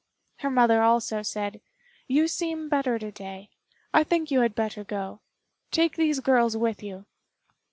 Her mother also said, "You seem better to day. I think you had better go. Take these girls with you."